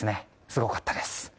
すごかったです。